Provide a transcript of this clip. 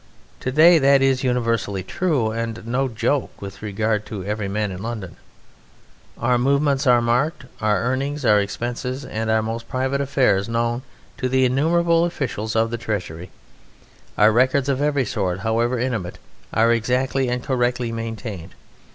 Today that is universally true, and no joke with regard to every man in London. Our movements are marked, our earnings, our expenses, and our most private affairs known to the innumerable officials of the Treasury, our records of every sort, however intimate, are exactly and correctly maintained.